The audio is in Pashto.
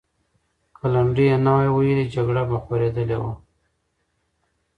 که لنډۍ یې نه وای ویلې، جګړه به خورېدلې وه.